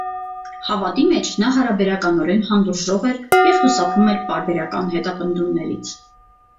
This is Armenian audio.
Հավատի մեջ նա հարաբերականորեն հանդուրժող էր և խուսափում էր պարբերական հետապնդումներից։